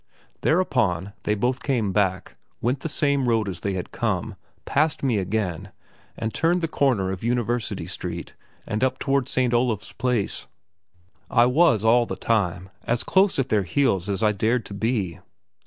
Thereupon they both came back, went the same road as they had come, passed me again, and turned the corner of University Street and up towards St. Olav's place. I was all the time as close at their heels as I dared to be.